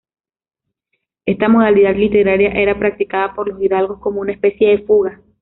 Esta modalidad literaria era practicada por los hidalgos como una especie de fuga.